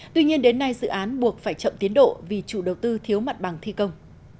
tuy nhiên đến nay dự án buộc phải chậm tiến độ vì chủ đầu tư thiếu mặt bằng thi công